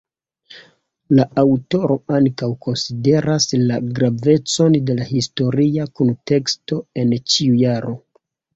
La aŭtoro ankaŭ konsideras la gravecon de la historia kunteksto en ĉiu jaro.